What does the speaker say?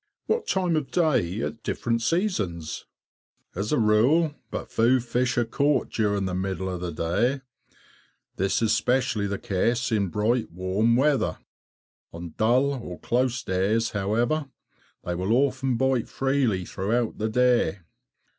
What time of day at different seasons_? As a rule, but few fish are caught during the middle of the day; this is especially the case in bright warm weather. On dull, "close" days, however, they will often bite freely throughout the day.